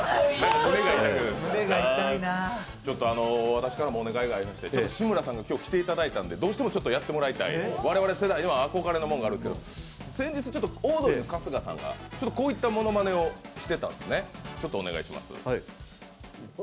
私からもお願いがありまして、志村さんが今日来ていただいたのでどうしてもやってもらいたい我々世代では憧れのものがあるんだけど、先日ちょっと、オードリー春日さんがこういったものまねをしていたんですね。